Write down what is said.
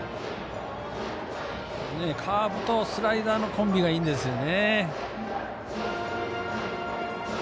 カーブとスライダーのコンビがいいんですよね。